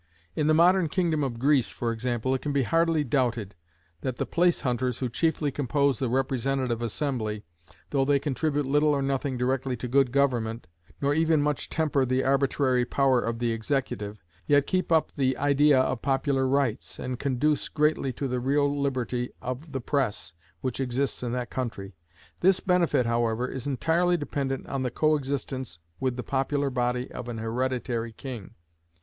In the modern kingdom of Greece, for example, it can hardly be doubted, that the place hunters who chiefly compose the representative assembly, though they contribute little or nothing directly to good government, nor even much temper the arbitrary power of the executive, yet keep up the idea of popular rights, and conduce greatly to the real liberty of the press which exists in that country. This benefit, however, is entirely dependent on the coexistence with the popular body of an hereditary king.